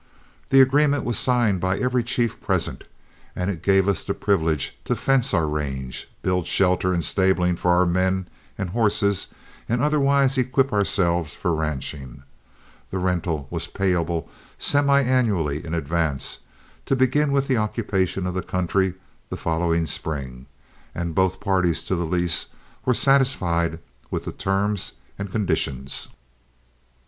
The agreement was signed by every chief present, and it gave us the privilege to fence our range, build shelter and stabling for our men and horses, and otherwise equip ourselves for ranching. The rental was payable semiannually in advance, to begin with the occupation of the country the following spring, and both parties to the lease were satisfied with the terms and conditions.